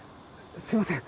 すいません。